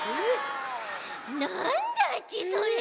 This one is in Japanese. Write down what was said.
なんだちそれ！